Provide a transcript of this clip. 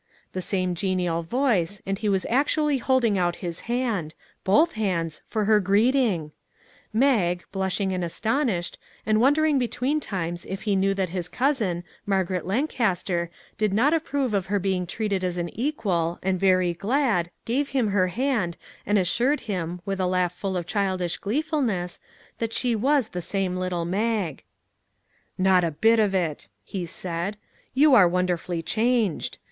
The same genial voice, and he was actually holding out his hand both hands for her greeting ! Mag, blushing and aston ished, and wondering between times if he knew that his cousin, Margaret Lancaster, did not approve of her being treated as an equal, and very glad, gave him her hand, and assured him, with a laugh full of childish gleefulness, that she was the same little Mag. " Not a bit of it !" he said, " you are won derfully changed.